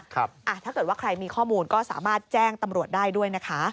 ถ้าเกิดว่าใครมีข้อมูลก็สามารถแจ้งตำรวจได้ด้วยนะคะ